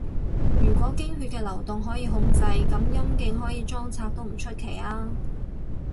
如果經血嘅流動可以控制，噉陰莖可以裝拆都唔出奇吖